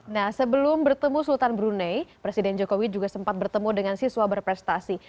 nah sebelum bertemu sultan brunei presiden jokowi juga sempat bertemu dengan siswa berprestasi